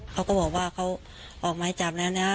เขาก็บอกว่าเขาออกไม้จับแล้วนะ